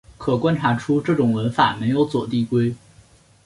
可观察出这种文法没有左递归。